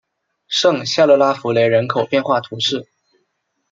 圣夏勒拉福雷人口变化图示